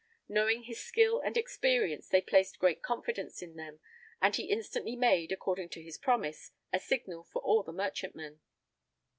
Knowing his skill and experience they placed great confidence in them; and he instantly made, according to his promise, a signal for all the merchantmen.